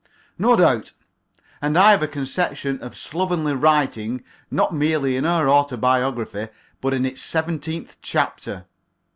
No doubt. And I have a conception of slovenly writing not merely in her autobiography, but in its seventeenth chapter.